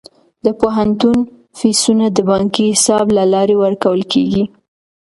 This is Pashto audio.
د پوهنتون فیسونه د بانکي حساب له لارې ورکول کیږي.